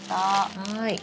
はい。